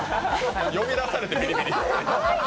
呼び出されてビリビリ。